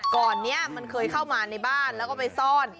ก่อนนี้มันเคยเข้ามาในบ้านแล้วก็ไปซ่อน